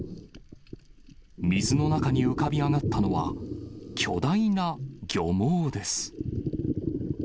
水の中に浮かび上がったのは、巨大な漁網です。